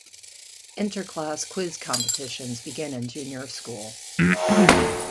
Inter-class quiz competitions begin in junior school.